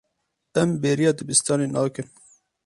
Em bêriya dibistanê nakin.